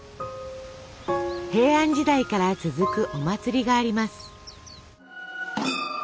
平安時代から続くお祭りがあります。